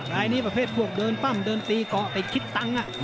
รายนี้ประเภทพวกเดินปั้มเดินตีเกาะติดคิดตังค์